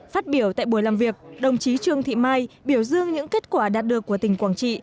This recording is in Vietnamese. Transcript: phát biểu tại buổi làm việc đồng chí trương thị mai biểu dương những kết quả đạt được của tỉnh quảng trị